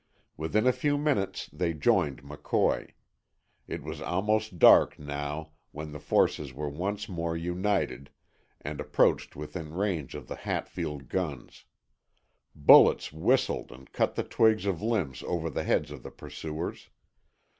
Within a few minutes they joined McCoy. It was almost dark, now, when the forces were once more united, and approached within range of the Hatfield guns. Bullets whistled and cut the twigs of limbs over the heads of the pursuers.